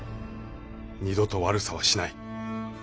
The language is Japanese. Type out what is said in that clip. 二度と悪さはしない。